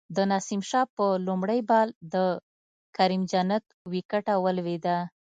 د نسیم شاه په لومړی بال د کریم جنت وکټه ولویده